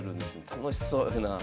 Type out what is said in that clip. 楽しそうやなあ。